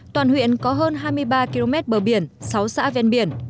toàn huyện có hơn hai mươi ba km bờ biển sáu xã ven biển